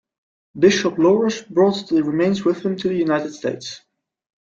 Bishop Loras brought the remains with him to the United States.